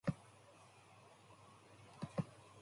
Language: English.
It was also unclear what the mode of propulsion was.